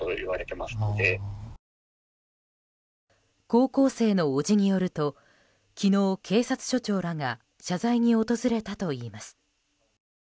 高校生の叔父によると昨日、警察署長らが謝罪に訪れたといいます。